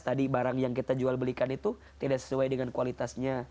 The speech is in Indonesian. tadi barang yang kita jual belikan itu tidak sesuai dengan kualitasnya